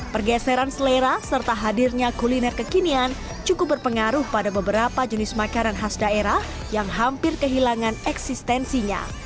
pergeseran selera serta hadirnya kuliner kekinian cukup berpengaruh pada beberapa jenis makanan khas daerah yang hampir kehilangan eksistensinya